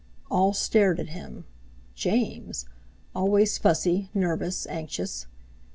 All stared at him. James! Always fussy, nervous, anxious!